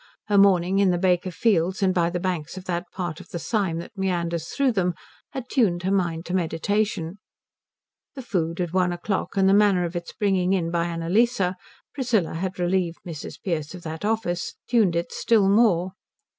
Her morning in the Baker fields and by the banks of that part of the Sym that meanders through them had tuned her mind to meditation. The food at one o'clock and the manner of its bringing in by Annalise Priscilla had relieved Mrs. Pearce of that office tuned it still more.